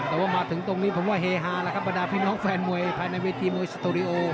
แต่ว่ามาถึงตรงนี้ผมว่าเฮฮาแล้วครับบรรดาพี่น้องแฟนมวยภายในเวทีมวยสตูดิโอ